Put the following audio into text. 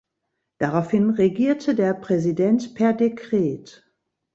Daraufhin regierte der Präsident per Dekret.